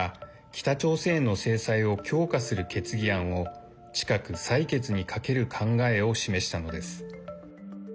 北朝鮮への制裁を強化する決議案を近く採決にかける考えを示したのです。